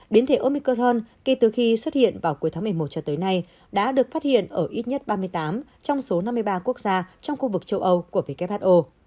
biến thể omic hơn kể từ khi xuất hiện vào cuối tháng một mươi một cho tới nay đã được phát hiện ở ít nhất ba mươi tám trong số năm mươi ba quốc gia trong khu vực châu âu của who